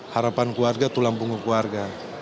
harapan keluarga tulang punggung keluarga